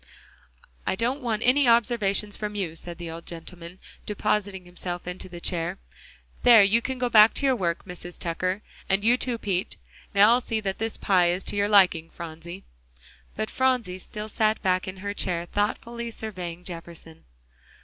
"I don't want any observations from you," said the old gentleman, depositing himself in the chair. "There, you can go back to your work, Mrs. Tucker, and you too, Pete. Now I'll see that this pie is to your liking, Phronsie." But Phronsie still sat back in her chair, thoughtfully surveying Jefferson.